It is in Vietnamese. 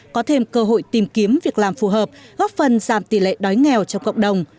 có thêm cơ hội tìm kiếm việc làm phù hợp góp phần giảm tỷ lệ đói nghèo trong cộng đồng